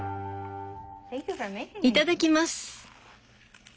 いただきます。